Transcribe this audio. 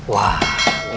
wah enak banget